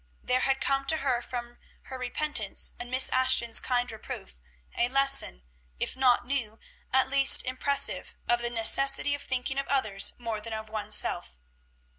There had come to her from her repentance and Miss Ashton's kind reproof, a lesson, if not new, at least impressive, of the necessity of thinking of others more than of one's self.